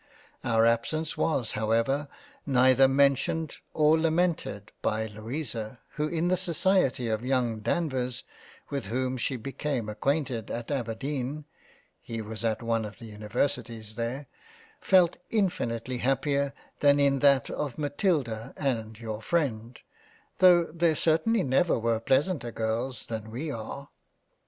Our absence was however never either mentioned or lamented by Louisa who in the society of young Danvers with whom she became acquainted at Aberdeen (he was at one of the Universities there,) felt infinitely happier than in that of Matilda and your freind, tho' there certainly never were pleasanter girls than we are.